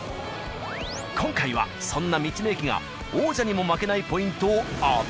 今回はそんな道の駅が王者にも負けないポイントを。